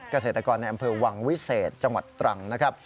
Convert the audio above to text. เกษตรกรในอำเภอวังวิเศษจังหวัดตรังนะครับ